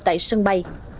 tại sân bay